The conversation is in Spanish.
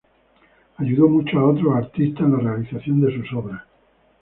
Ayudó mucho a otros artistas en la realización de sus obras.